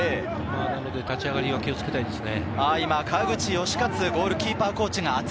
後半、立ち上がり、気をつけたいですね。